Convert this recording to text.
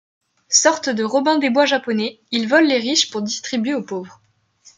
Sorte de Robin des Bois japonais, il vole les riches pour distribuer aux pauvres.